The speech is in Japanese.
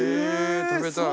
食べたい！